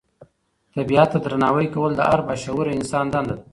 طبیعت ته درناوی کول د هر با شعوره انسان دنده ده.